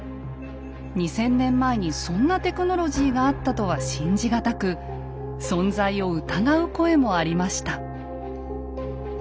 ２，０００年前にそんなテクノロジーがあったとは信じ難く存在を疑う声もありました。